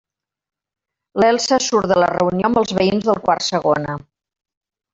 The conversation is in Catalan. L'Elsa surt de la reunió amb els veïns del quart segona.